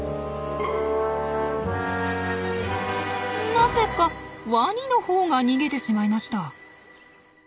なぜかワニのほうが逃げてしまいました。